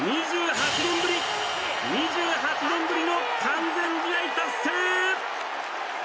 ２８年ぶり２８年ぶりの完全試合達成！